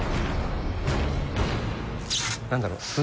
何だろう？